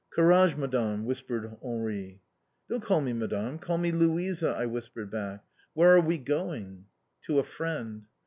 "Courage, Madame!" whispered Henri. "Don't call me Madame! Call me Louisa!" I whispered back. "Where are we going?" "To a friend."